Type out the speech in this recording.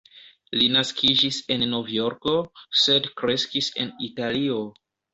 Li naskiĝis en Novjorko, sed kreskis en Italio.